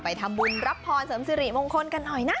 ทำบุญรับพรเสริมสิริมงคลกันหน่อยนะ